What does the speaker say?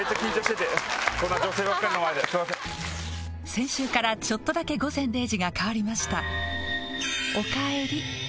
先週からちょっとだけ「午前０時」が変わりました。